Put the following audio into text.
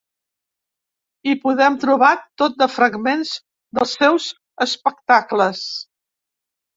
Hi podem trobar tot de fragments dels seus espectacles.